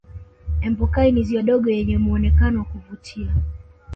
empokai ni ziwa dogo yenye muonekano wa kuvutia